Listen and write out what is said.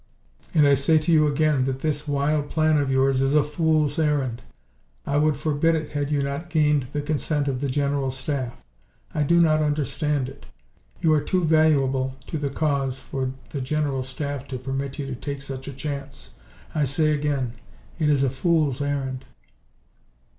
And I say to you again that this wild plan of yours is a fool's errand. I would forbid it, had you not gained the consent of the General Staff. I do not understand it. You are too valuable to the cause for the General Staff to permit you to take such a chance. I say again, it is a fool's errand."